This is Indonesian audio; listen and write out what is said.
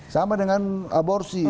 sama dengan aborsi